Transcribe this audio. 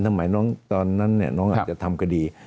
ทำไมนั้นเนี่ยน้องเอาอาจจะทำคดี